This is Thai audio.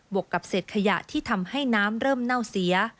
วกกับเศษขยะที่ทำให้น้ำเริ่มเน่าเสีย